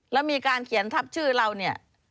แล้วมีการเขียนทับชื่อเราเนี่ย